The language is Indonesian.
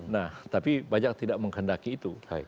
nah tapi banyak tidak menghendaki itu